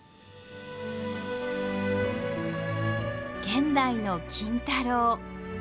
現代の金太郎。